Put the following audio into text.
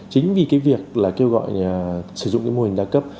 chính vì cái việc là kêu gọi sử dụng cái mô hình đa cấp